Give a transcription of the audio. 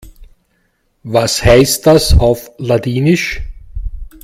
Was heißt das auf Ladinisch?